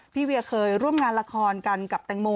พี่เบิร์ตเคยร่วมงานละครกันกับแตงโม